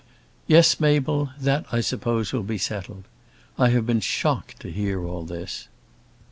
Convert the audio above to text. "Yes, Mabel; that I suppose will be settled. I have been so shocked to hear all this."